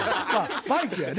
バイクやね。